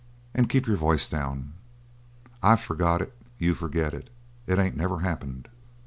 "And keep your voice down. I've forgot it; you forget it. It ain't never happened."